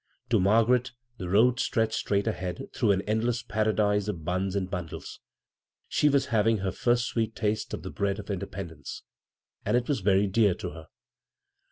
To Mar the road stretched striught ahead I an endless paradise of buns and . She was having her first sweet [ the bread of independence, and it y dear to her.